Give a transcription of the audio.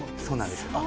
そうなんです。